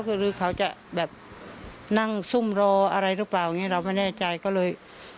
คือเขาจะแบบนั่งซุ่มรออะไรรึเปล่าเราไม่แน่ใจก็เลย